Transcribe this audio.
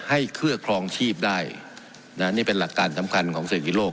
ให้เครื่องครองชีพได้น่ะนี่เป็นหลักการสำหรับของสิทธิ์โลก